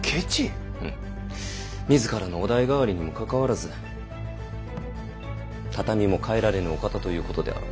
自らのお代替わりにもかかわらず畳も替えられぬお方ということであろう。